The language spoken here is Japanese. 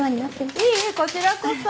いえいえこちらこそ。